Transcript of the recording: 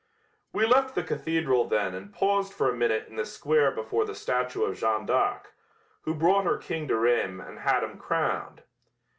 We left the cathedral then and paused for a minute in the square before the statue of Jeanne d'Arc, who brought her king to Rheims and had him crowned.